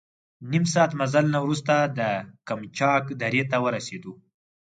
نیم ساعت مزل نه وروسته د قمچاق درې ته ورسېدو.